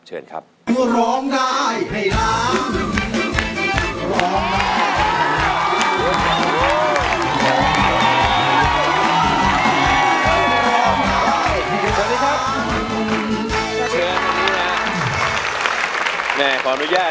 รองกายไฮร้าน